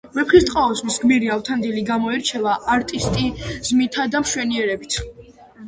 „ვეფხისტყაოსნის“ გმირი ავთანდილი გამოირჩევა არტისტიზმითა და მშვენიერებით